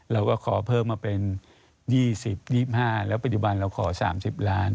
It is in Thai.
เราก็ขอเพิ่มมาเป็น๒๐๒๕แล้วปัจจุบันเราขอ๓๐ล้าน